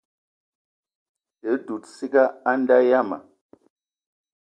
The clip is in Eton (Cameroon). Te dout ciga a nda yiam.